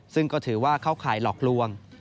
ซึ่งก็ถือว่าเข้าข่ายหลอกลวง